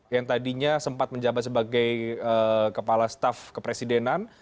yang tadinya sempat menjabat sebagai kepala staff kepresidenan